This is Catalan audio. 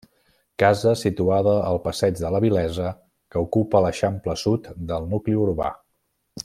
Casa situada al passeig de la Vilesa que ocupa l'eixample sud del nucli urbà.